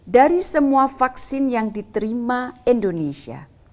dari semua vaksin yang diterima indonesia